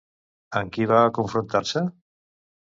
Amb qui va confrontar-se?